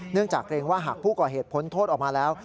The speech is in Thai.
จากเกรงว่าหากผู้ก่อเหตุพ้นโทษออกมาแล้ว